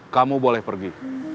kamu boleh pergi